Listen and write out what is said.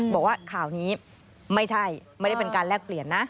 บอกว่าข่าวนี้ไม่ใช่ไม่ได้เป็นการแลกเปลี่ยนนะ